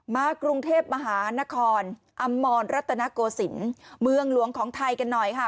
มากรุงเทพมหานครอมรรัตนโกศิลป์เมืองหลวงของไทยกันหน่อยค่ะ